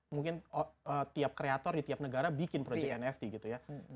mungkin tiap kreator di tiap negara bikin project nft gitu ya